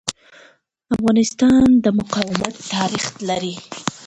افغانستان د مقاومت تاریخ لري.